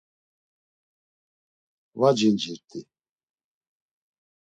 Va cincirt̆i.